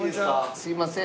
すいません。